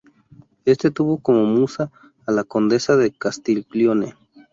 Este tuvo como musa a la Condesa de Castiglione.